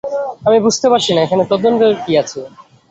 আমি বুঝতে পারছিনা, এখানে তদন্তের কী আছে।